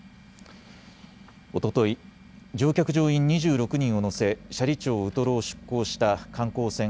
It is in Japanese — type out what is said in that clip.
おととい、乗客・乗員２６人を乗せ斜里町ウトロを出港した観光船